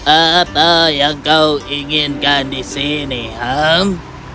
apa yang kau inginkan di sini ham